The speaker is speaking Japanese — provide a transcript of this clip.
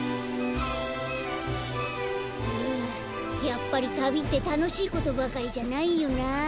やっぱりたびってたのしいことばかりじゃないよな。